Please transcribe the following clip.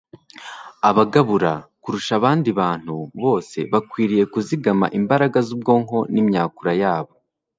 abagabura, kurusha abandi bantu bose, bakwiriye kuzigama imbaraga z'ubwonko n'imyakura yabo